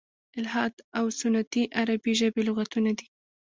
"الحاد او سنتي" عربي ژبي لغتونه دي.